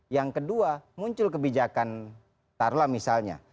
yang kedua muncul kebijakan tarla misalnya